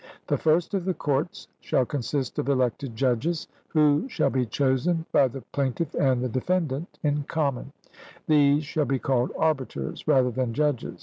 The first of the courts shall consist of elected judges, who shall be chosen by the plaintiff and the defendant in common: these shall be called arbiters rather than judges.